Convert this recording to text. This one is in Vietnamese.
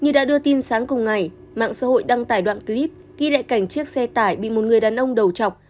như đã đưa tin sáng cùng ngày mạng xã hội đăng tải đoạn clip ghi lại cảnh chiếc xe tải bị một người đàn ông đầu chọc